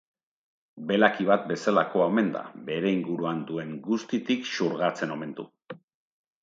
Belaki bat bezalakoa omen da, bere inguruan duen guztitik xurgatzen omen du.